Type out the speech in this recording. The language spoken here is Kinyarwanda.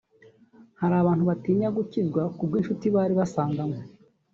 hari abantu batinya gukizwa ku bw’incuti bari basanganywe